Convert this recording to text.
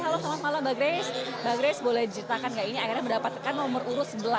halo selamat malam mbak grace mbak grace boleh diceritakan nggak ini akhirnya mendapatkan nomor urut sebelas